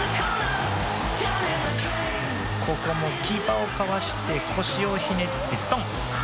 ここもキーパーをかわして腰をひねってドン。